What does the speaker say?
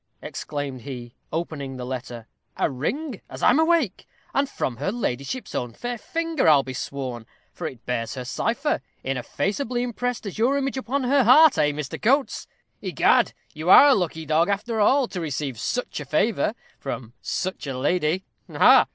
exclaimed he, opening the letter. "A ring, as I'm awake! and from her ladyship's own fair finger, I'll be sworn, for it bears her cipher, ineffaceably impressed as your image upon her heart eh, Coates? Egad! you are a lucky dog, after all, to receive such a favor from such a lady ha, ha!